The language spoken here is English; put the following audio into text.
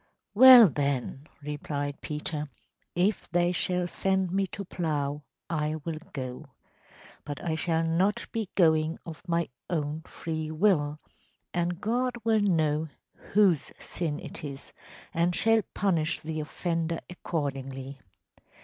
‚ÄĚ “Well, then,‚ÄĚ replied Peter, “if they shall send me to plough, I will go. But I shall not be going of my own free will, and God will know whose sin it is, and shall punish the offender accordingly.